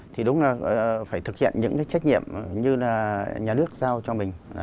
thì đúng là phải thực hiện những cái trách nhiệm như là nhà nước giao cho mình